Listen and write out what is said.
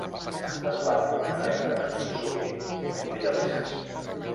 Es van nomenar membres, sovint vitalicis.